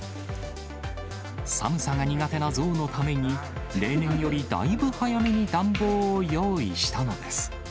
寒さが苦手な象のために、例年よりだいぶ早めに暖房を用意したのです。